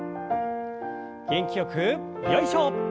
元気よくよいしょ。